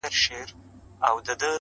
• وژني بېګناه انسان ګوره چي لا څه کیږي,